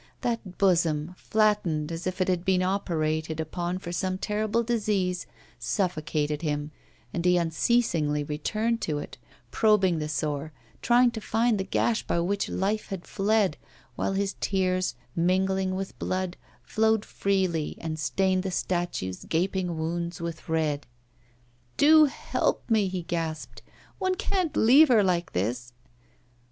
That bosom, flattened, as if it had been operated upon for some terrible disease, suffocated him, and he unceasingly returned to it, probing the sore, trying to find the gash by which life had fled, while his tears, mingled with blood, flowed freely, and stained the statue's gaping wounds with red. 'Do help me!' he gasped. 'One can't leave her like this.